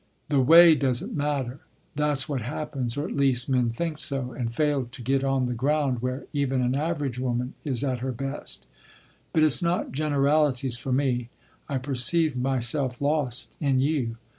"The way doesn’t matter. That’s what happens, or at least men think so, and fail to get on the ground where even an average woman is at her best.... But it’s not generalities for me. I perceived myself lost in you.